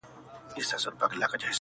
• دا تر ټولو بې حیاوو بې حیا دی..